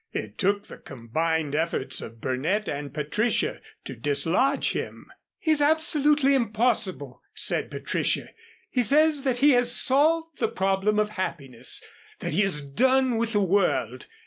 It took the combined efforts of Burnett and Patricia to dislodge him. "He's absolutely impossible," said Patricia. "He says that he has solved the problem of happiness that he has done with the world.